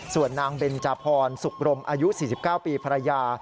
ส่วนนางเบนจาพรสุขรมอายุ๔๙ปีภรรยา